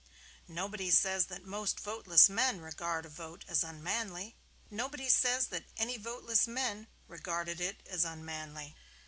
Nobody says that most voteless men regarded a vote as unmanly. Nobody says that any voteless men regarded it as unmanly.